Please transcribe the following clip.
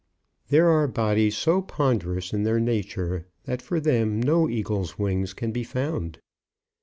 There are bodies so ponderous in their nature, that for them no eagle's wings can be found.